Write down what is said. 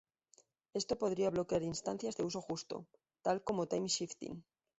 Esto podría bloquear instancias de uso justo, tal como "time-shifting"..